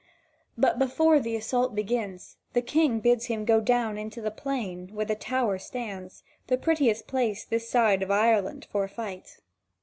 But before the assault begins, the King bids them go down into the plain where the tower stands, the prettiest place this side of Ireland for a fight.